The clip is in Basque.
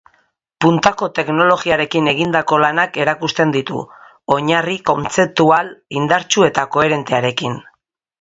Puntako teknologiarekin egindako lanak erakusten ditu, oinarri kontzeptual indartsu eta koherentearekin.